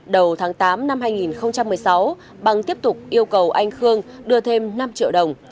đầu tháng tám năm hai nghìn một mươi sáu bằng tiếp tục yêu cầu anh khương đưa thêm năm triệu đồng